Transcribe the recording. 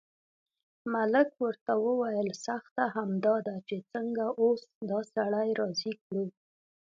ملک ورته وویل سخته همدا ده چې څنګه اوس دا سړی راضي کړو.